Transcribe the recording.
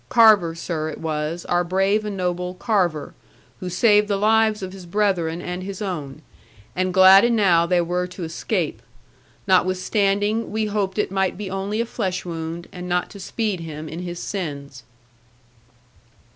Carver, sir, it was, our brave and noble Carver, who saved the lives of his brethren and his own; and glad enow they were to escape. Notwithstanding, we hoped it might be only a flesh wound, and not to speed him in his sins.'